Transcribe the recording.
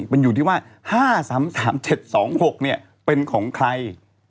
มันอยู่ที่ว่าห้าสามสามเจ็ดสองหกเนี้ยเป็นของใคร